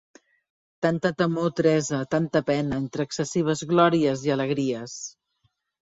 Tanta temor, Teresa, tanta pena, entre excessives glòries i alegries!